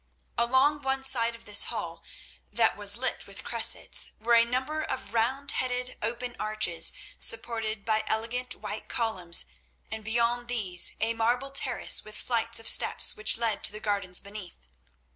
Along one side of this hall, that was lit with cressets, were a number of round headed open arches supported by elegant white columns, and beyond these a marble terrace with flights of steps which led to the gardens beneath.